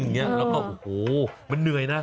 มันเหนื่อยนะ